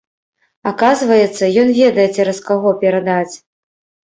Аказваецца, ён ведае цераз каго перадаць.